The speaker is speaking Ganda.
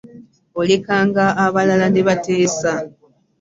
Olekanga abalala ne bateesa.